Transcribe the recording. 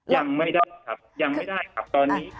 ยังไม่ได้ครับยังไม่ได้ครับตอนนี้